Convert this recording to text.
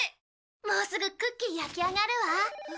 もうすぐクッキー焼き上がるわ。